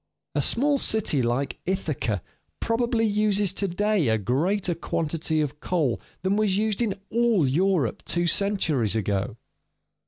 A small city like Ithaca probably uses to day a greater quantity of coal than was used in all Europe two centuries ago.